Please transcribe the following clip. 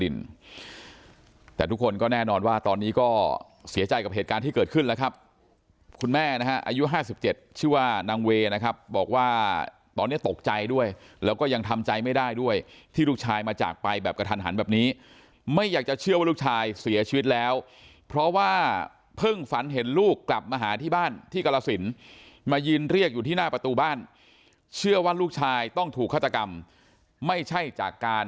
แม่นะฮะอายุห้าสิบเจ็ดชื่อว่านางเวนะครับบอกว่าตอนเนี้ยตกใจด้วยแล้วก็ยังทำใจไม่ได้ด้วยที่ลูกชายมาจากไปแบบกระทันหันแบบนี้ไม่อยากจะเชื่อว่าลูกชายเสียชีวิตแล้วเพราะว่าเพิ่งฝันเห็นลูกกลับมาหาที่บ้านที่กล้าสินมายินเรียกอยู่ที่หน้าประตูบ้านเชื่อว่าลูกชายต้องถูกฆาตกรรมไม่ใช่จ